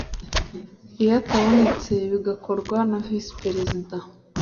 iyo atabonetse bigakorwa na visi perezida